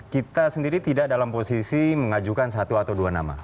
kita sendiri tidak dalam posisi mengajukan satu atau dua nama